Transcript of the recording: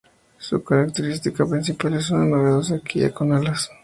Su característica principal es una novedosa quilla con alas.